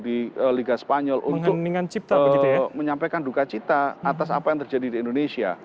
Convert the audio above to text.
di liga spanyol untuk menyampaikan duka cita atas apa yang terjadi di indonesia